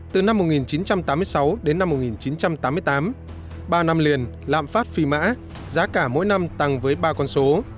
từ năm một nghìn chín trăm tám mươi sáu đến năm một nghìn chín trăm tám mươi tám ba năm liền lạm phát phi mã giá cả mỗi năm tăng với ba con số